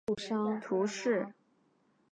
拉利佐尔人口变化图示